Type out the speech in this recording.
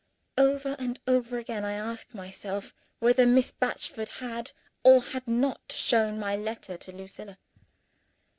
Over, and over again I asked myself, whether Miss Batchford had, or had not, shown my letter to Lucilla.